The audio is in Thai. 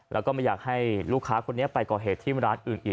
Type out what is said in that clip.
แล้วก็ไม่อยากให้ลูกค้าคนนี้ไปก่อเหตุที่ร้านอื่นอีก